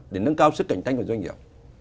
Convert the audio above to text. để nâng cao sức cạnh tranh của doanh nghiệp